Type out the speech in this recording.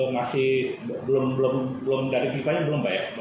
masih belum dari fifa nya belum pak ya